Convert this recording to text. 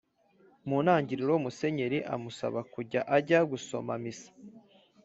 Mu ntangiriro Musenyeri amusaba kujya ajya gusoma misa